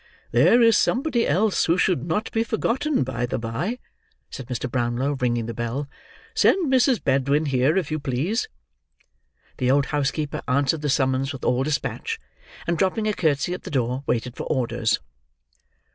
"There is somebody else who should not be forgotten, by the bye," said Mr. Brownlow, ringing the bell. "Send Mrs. Bedwin here, if you please." The old housekeeper answered the summons with all dispatch; and dropping a curtsey at the door, waited for orders.